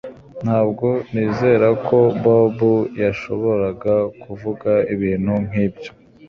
Ntabwo nizera ko Bobo yashoboraga kuvuga ibintu nkibyo